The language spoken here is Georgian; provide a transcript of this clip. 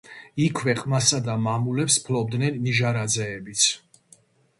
იქვე ყმასა და მამულებს ფლობდნენ ნიჟარაძეებიც